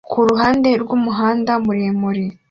kuruhande rwumuhanda muremure